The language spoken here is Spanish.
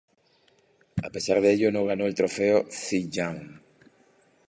A pesar de ello no ganó el trofeo Cy Young.